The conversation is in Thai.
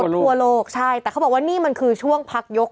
ทั่วโลกใช่แต่เขาบอกว่านี่มันคือช่วงพักยก